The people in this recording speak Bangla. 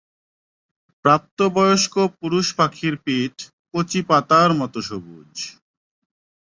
প্রাপ্তবয়স্ক পুরুষ পাখির পিঠ কচি পাতার মত সবুজ।